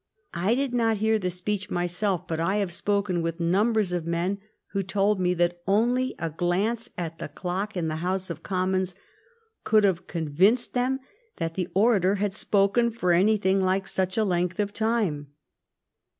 I did not hear the speech myself, but I have spoken with numbers of men who told me that only a glance at the clock in the House of Commons could have convinced them that the orator had spoken for anything like such a length of time.